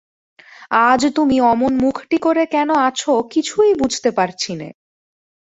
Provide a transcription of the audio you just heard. আজ তুমি অমন মুখটি করে কেন আছ কিছুই বুঝতে পারছি নে।